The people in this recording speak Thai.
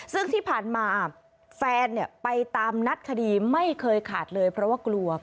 ซึ่งที่ผ่านมาแฟนไปตามนัดคดีไม่เคยขาดเลยเพราะว่ากลัว